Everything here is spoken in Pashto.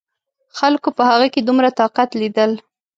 خلکو په هغه کې دومره طاقت لیدل.